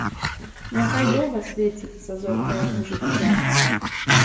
Няхай доўга свеціцца зорка яго жыцця!